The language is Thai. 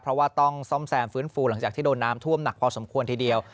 เพราะว่าต้องซ่อมแซมฟื้นฟูหลังจากที่โดนน้ำท่วมหนักพอสมควรทีเดียว